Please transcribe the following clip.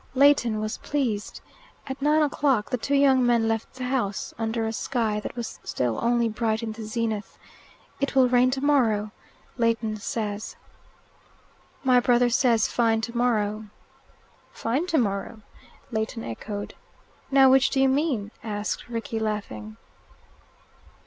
Leighton was pleased. At nine o'clock the two young men left the house, under a sky that was still only bright in the zenith. "It will rain tomorrow," Leighton said. "My brother says, fine tomorrow." "Fine tomorrow," Leighton echoed. "Now which do you mean?" asked Rickie, laughing.